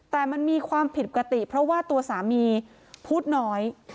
แต่มันมีความผิดปกติเพราะว่าตัวสามีพูดน้อย